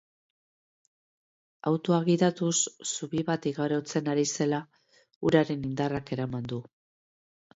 Autoa gidatuz zubi bat igarotzen ari zela, uraren indarrak eraman du.